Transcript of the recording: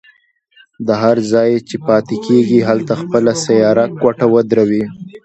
هر ځای چې پاتې کېږي هلته خپله سیاره کوټه ودروي.